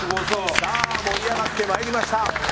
さあ盛り上がってまいりました。